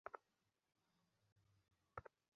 হ্যাঁ, চল।